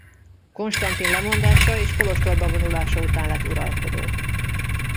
Konstantin lemondása és kolostorba vonulása után lett uralkodó.